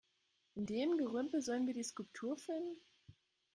In dem Gerümpel sollen wir die Skulptur finden?